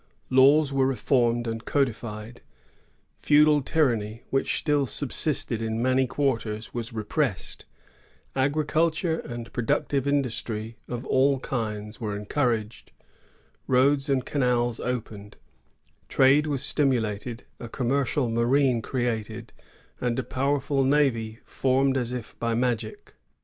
Laws were reformed and codified; feudal tyranny, which still subsisted in many quarters, was repressed; agriculture and productive industry of all kinds were encouraged, roads and canals opened, trade was stimulated, a commercial marine created, and a powerful navy formed as if by magic.